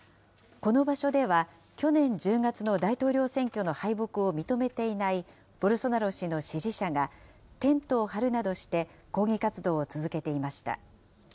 この場所では、去年１０月の大統領選挙の敗北を認めていないボルソナロ氏の支持者が、テントを張るなどして、抗議活動を続けていました。